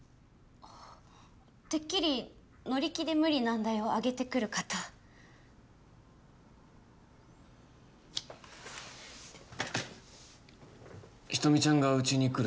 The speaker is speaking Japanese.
てっきり乗り気で無理難題を挙げてくるかと人見ちゃんがうちに来る